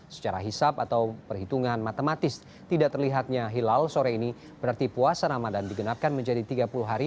secara hisap atau perhitungan matematis tidak terlihatnya hilal sore ini berarti puasa ramadan digenapkan menjadi tiga puluh hari